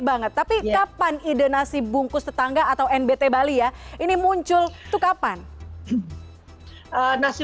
banget tapi kapan ide nasi bungkus tetangga atau nbt bali ya ini muncul tuh kapan nasi